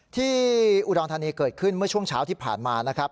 ที่อุดรธานีเกิดขึ้นเมื่อช่วงเช้าที่ผ่านมานะครับ